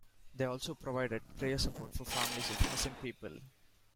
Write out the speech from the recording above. They also provided prayer support for families of missing people.